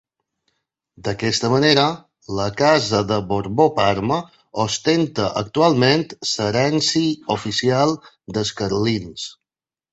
D'aquesta manera, la casa de Borbó-Parma ostenta actualment l'herència oficial dels carlins.